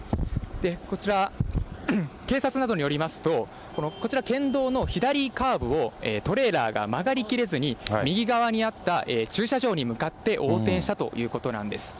こちら、警察などによりますと、こちら県道の左カーブをトレーラーが曲がり切れずに、右側にあった駐車場に向かって横転したということなんです。